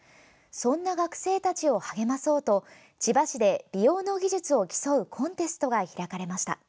そんな学生たちを励まそうと千葉市で美容の技術を競うコンテストが開かれました。